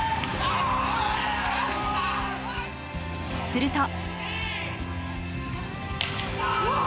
すると。